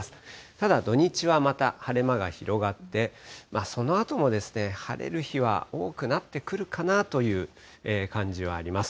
ただ、土日はまた晴れ間が広がって、そのあとも、晴れる日は多くなってくるかなという感じはあります。